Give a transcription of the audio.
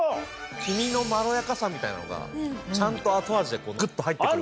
黄身のまろやかさみたいなのがちゃんと後味でグッと入ってくる。